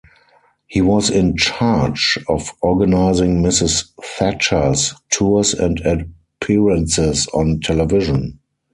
He was in charge of organising Mrs Thatcher's tours and appearances on television.